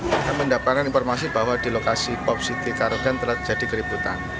kita mendapatkan informasi bahwa di lokasi pop city karaoke telah terjadi kriptok